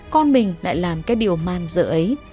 con mình lại làm cái điều man dợ ấy